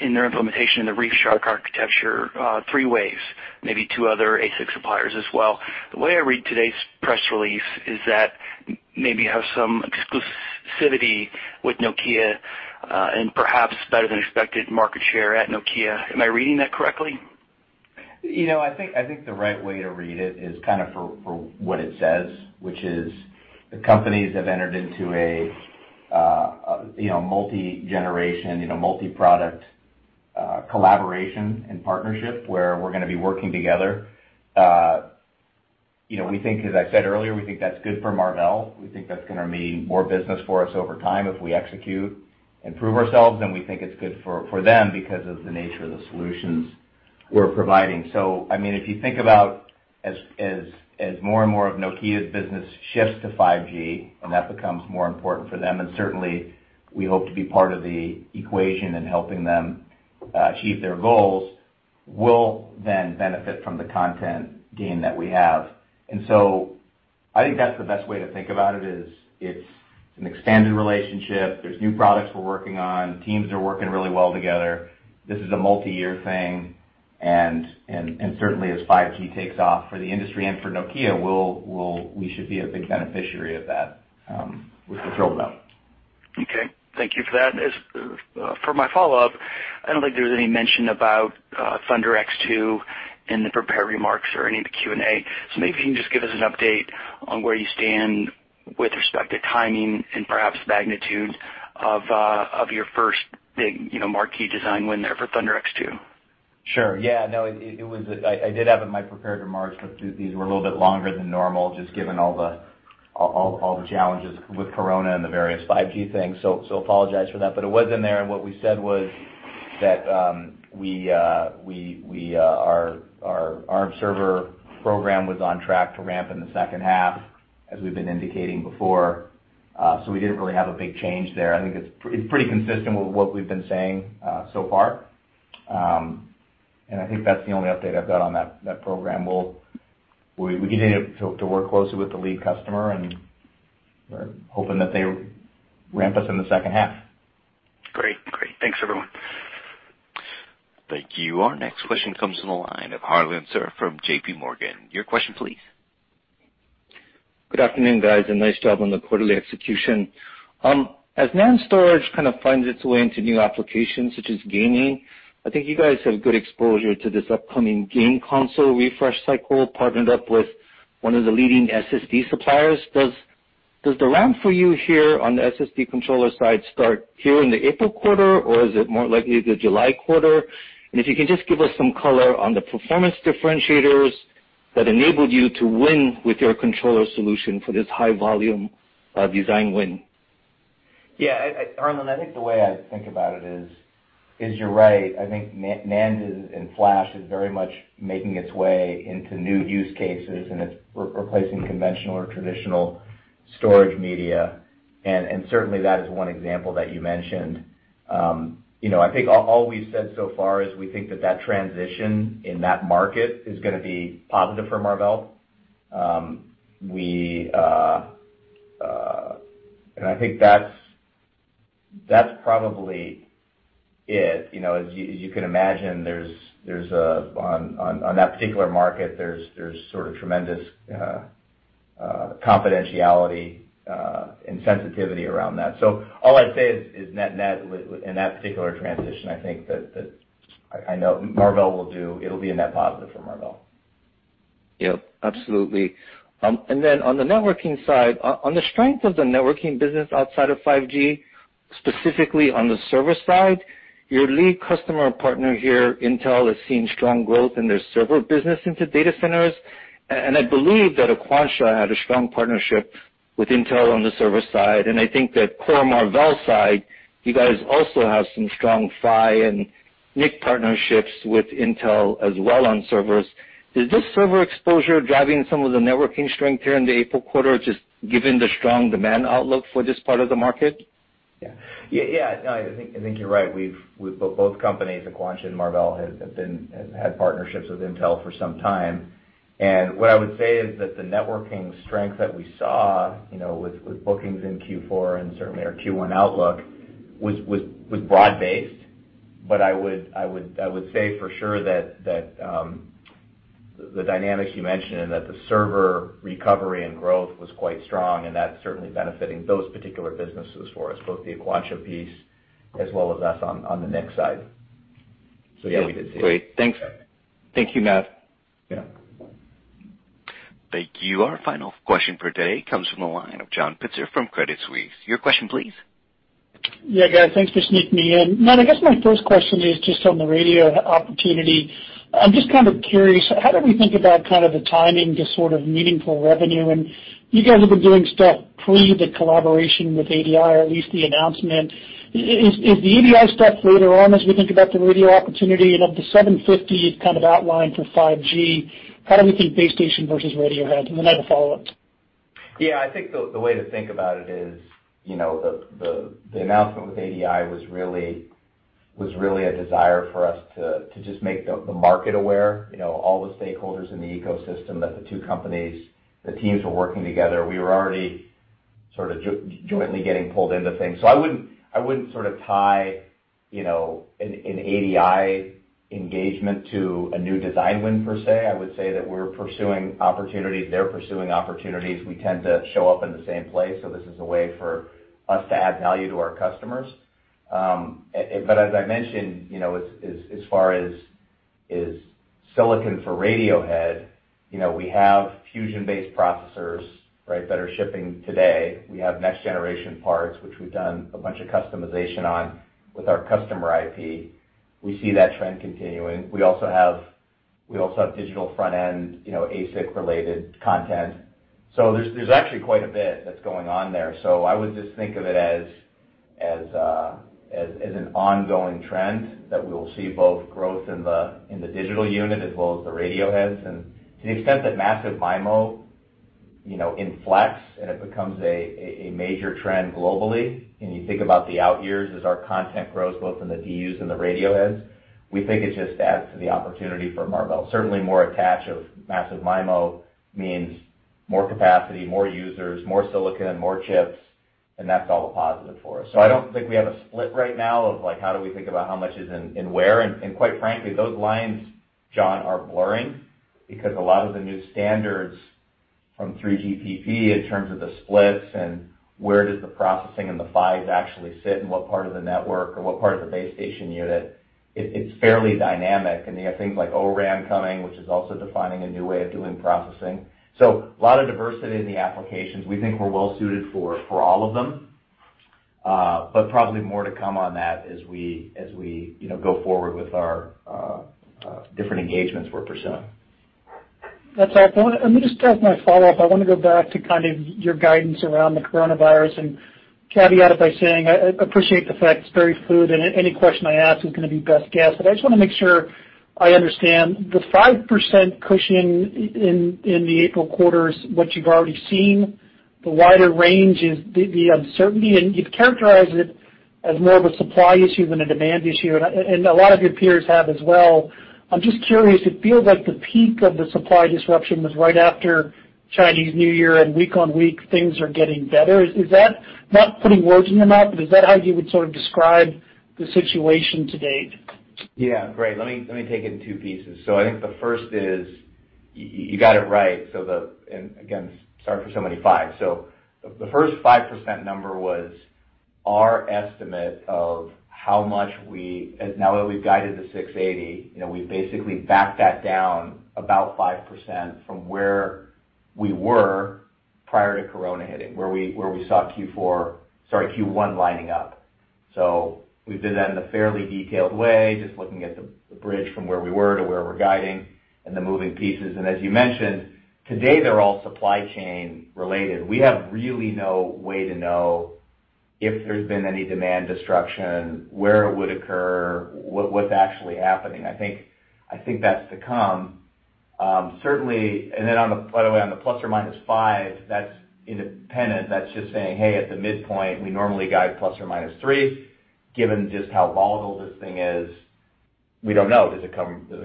in their implementation in the ReefShark architecture three ways, maybe two other ASIC suppliers as well. The way I read today's press release is that maybe you have some exclusivity with Nokia, and perhaps better than expected market share at Nokia. Am I reading that correctly? I think the right way to read it is kind of for what it says, which is the companies have entered into a multi-generation, multi-product collaboration and partnership where we're gonna be working together. As I said earlier, we think that's good for Marvell. We think that's gonna mean more business for us over time if we execute and prove ourselves, and we think it's good for them because of the nature of the solutions we're providing. I mean, if you think about as more and more of Nokia's business shifts to 5G, and that becomes more important for them, and certainly we hope to be part of the equation in helping them achieve their goals, we'll then benefit from the content gain that we have. I think that's the best way to think about it is it's an expanded relationship. There's new products we're working on. Teams are working really well together. This is a multi-year thing, and certainly as 5G takes off for the industry and for Nokia, we should be a big beneficiary of that, which we're thrilled about. Okay. Thank you for that. As for my follow-up, I don't think there's any mention about ThunderX2 in the prepared remarks or any of the Q&A. Maybe if you can just give us an update on where you stand with respect to timing and perhaps magnitude of your first big marquee design win there for ThunderX2. Sure. I did have it in my prepared remarks, these were a little bit longer than normal, just given all the challenges with Corona and the various 5G things. Apologize for that, it was in there, what we said was that our Arm server program was on track to ramp in the second half, as we've been indicating before. We didn't really have a big change there. I think it's pretty consistent with what we've been saying so far. I think that's the only update I've got on that program. We continue to work closely with the lead customer, we're hoping that they ramp us in the second half. Great. Thanks, everyone. Thank you. Our next question comes from the line of Harlan Sur from JPMorgan. Your question, please. Good afternoon, guys. Nice job on the quarterly execution. As NAND storage kind of finds its way into new applications such as gaming, I think you guys have good exposure to this upcoming game console refresh cycle, partnered up with one of the leading SSD suppliers. Does the RAM for you here on the SSD controller side start here in the April quarter, or is it more likely the July quarter? If you can just give us some color on the performance differentiators that enabled you to win with your controller solution for this high-volume design win. Yeah, Harlan, I think the way I think about it is, you're right. I think NAND and flash is very much making its way into new use cases, and it's replacing conventional or traditional storage media, and certainly that is one example that you mentioned. I think all we've said so far is we think that that transition in that market is going to be positive for Marvell. I think that's probably it. As you can imagine, on that particular market, there's sort of tremendous confidentiality and sensitivity around that. All I'd say is net in that particular transition, I think that it'll be a net positive for Marvell. Yep, absolutely. On the networking side, on the strength of the networking business outside of 5G, specifically on the server side, your lead customer partner here, Intel, is seeing strong growth in their server business into data centers. I believe that Aquantia had a strong partnership with Intel on the server side, and I think that core Marvell side, you guys also have some strong PHY and NIC partnerships with Intel as well on servers. Is this server exposure driving some of the networking strength here in the April quarter, just given the strong demand outlook for this part of the market? Yeah. I think you're right. Both companies, Aquantia and Marvell, have had partnerships with Intel for some time. What I would say is that the networking strength that we saw with bookings in Q4 and certainly our Q1 outlook was broad-based. I would say for sure that the dynamics you mentioned, and that the server recovery and growth was quite strong, and that's certainly benefiting those particular businesses for us, both the Aquantia piece as well as us on the NIC side. Yeah, we did see it. Great. Thanks. Thank you, Matt. Yeah. Thank you. Our final question for today comes from the line of John Pitzer from Credit Suisse. Your question, please. Yeah, guys, thanks for sneaking me in. Matt, I guess my first question is just on the radio opportunity. I am just kind of curious, how do we think about kind of the timing to sort of meaningful revenue? You guys have been doing stuff pre the collaboration with ADI, or at least the announcement. Is the ADI stuff later on as we think about the radio opportunity and of the 750 kind of outline for 5G, how do we think base station versus Radiohead? I have a follow-up. I think the way to think about it is, the announcement with ADI was really a desire for us to just make the market aware, all the stakeholders in the ecosystem, that the two companies, the teams were working together. We were already sort of jointly getting pulled into things. I wouldn't sort of tie an ADI engagement to a new design win, per se. I would say that we're pursuing opportunities. They're pursuing opportunities. We tend to show up in the same place, so this is a way for us to add value to our customers. As I mentioned, as far as silicon for Radiohead, we have Fusion-based processors that are shipping today. We have next-generation parts, which we've done a bunch of customization on with our customer IP. We see that trend continuing. We also have digital front-end, ASIC-related content. There's actually quite a bit that's going on there. I would just think of it as an ongoing trend that we will see both growth in the digital unit as well as the Radioheads. To the extent that massive MIMO, in flex, and it becomes a major trend globally, and you think about the out years as our content grows both in the DUs and the Radioheads, we think it just adds to the opportunity for Marvell. Certainly more attach of massive MIMO means more capacity, more users, more silicon, more chips, and that's all a positive for us. I don't think we have a split right now of how do we think about how much is in where, and quite frankly, those lines, John, are blurring because a lot of the new standards from 3GPP in terms of the splits and where does the processing and the PHYs actually sit and what part of the network or what part of the base station unit, it's fairly dynamic. You have things like O-RAN coming, which is also defining a new way of doing processing. A lot of diversity in the applications. We think we're well-suited for all of them. Probably more to come on that as we go forward with our different engagements we're pursuing. That's helpful. Just as my follow-up, I want to go back to kind of your guidance around the coronavirus and caveat it by saying I appreciate the fact it's very fluid and any question I ask is going to be best guess, but I just want to make sure I understand. The 5% cushion in the April quarter is what you've already seen. The wider range is the uncertainty. You've characterized it as more of a supply issue than a demand issue. A lot of your peers have as well. I'm just curious, it feels like the peak of the supply disruption was right after Chinese New Year. Week on week, things are getting better. Not putting words in your mouth, is that how you would sort of describe the situation to date? Great. Let me take it in two pieces. I think the first is, you got it right. Again, sorry for so many fives. The first 5% number was our estimate of how much now that we've guided the $680, we've basically backed that down about 5% from where we were prior to Corona hitting, where we saw Q4, Q1 lining up. We did that in a fairly detailed way, just looking at the bridge from where we were to where we're guiding and the moving pieces. As you mentioned, today, they're all supply chain related. We have really no way to know if there's been any demand destruction, where it would occur, what's actually happening. I think that's to come. Certainly, by the way, on the ±5%, that's independent. That's just saying, "Hey, at the midpoint, we normally guide ±3%." Given just how volatile this thing is, we don't know. Does it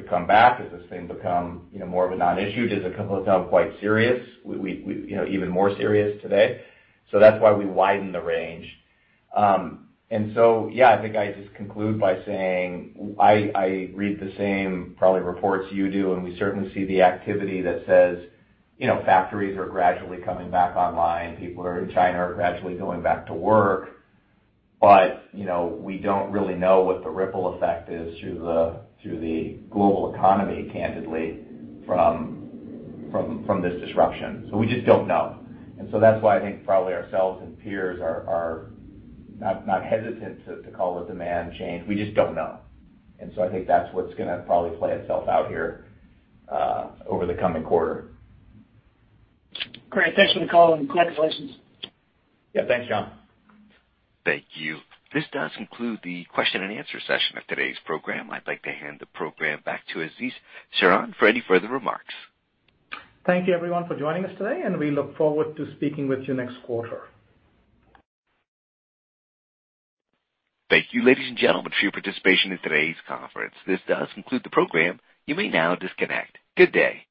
come back? Does this thing become more of a non-issue? Does it become quite serious, even more serious today? That's why we widen the range. Yeah, I think I just conclude by saying, I read the same probably reports you do, and we certainly see the activity that says factories are gradually coming back online. People in China are gradually going back to work. We don't really know what the ripple effect is through the global economy, candidly, from this disruption. We just don't know. That's why I think probably ourselves and peers are not hesitant to call it demand change. We just don't know. I think that's what's going to probably play itself out here over the coming quarter. Great. Thanks for the call and congratulations. Yeah, thanks, John. Thank you. This does conclude the question-and-answer session of today's program. I'd like to hand the program back to Ashish Saran for any further remarks. Thank you, everyone, for joining us today, and we look forward to speaking with you next quarter. Thank you, ladies and gentlemen, for your participation in today's conference. This does conclude the program. You may now disconnect. Good day.